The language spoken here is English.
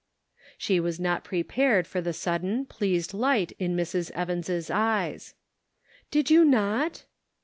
She was not prepared for the sudden, pleased light in Mrs. Evans' eyes. " Did you not